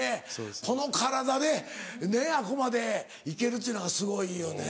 この体であそこまでいけるっちゅうのがすごいよね。